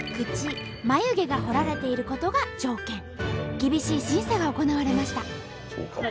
厳しい審査が行われました。